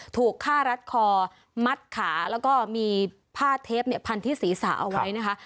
ถูกฆ่ารัดคอมัดขาแล้วก็มีผ้าเทปเนี่ยพันธุ์ที่ศรีสาเอาไว้นะคะ